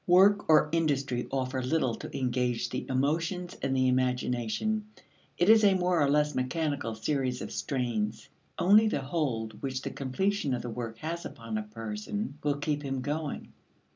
Work or industry offers little to engage the emotions and the imagination; it is a more or less mechanical series of strains. Only the hold which the completion of the work has upon a person will keep him going.